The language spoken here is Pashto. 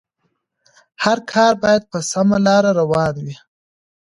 هر کار بايد په سمه لاره روان وي.